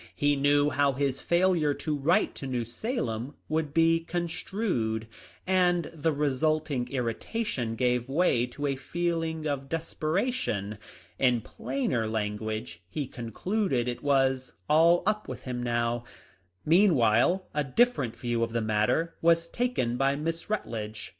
He knew how his failure to write to New Salem would be construed, and the resulting irritation gave way to a feeling of desperation. In plainer language, he concluded it was " all up with him now." Meanwhile a different view of the mat ter was taken by Miss Rutledge.